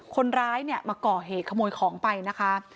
คนร้ายเนี่ยมาก่อเหตุขโมยของไปนะคะ